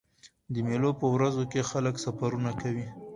د مېلو په ورځو کښي خلک سفرونه کوي.